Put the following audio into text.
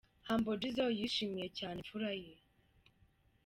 Humble Jizzo yishimiye cyane imfura ye.